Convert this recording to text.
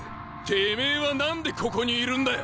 てめぇは何でここにいるんだよ！